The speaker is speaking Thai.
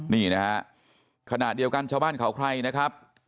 นี่นะฮะขณะเดียวกันชาวบ้านเขาใครนะครับ